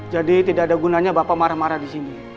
jadi tidak ada gunanya bapak marah marah di sini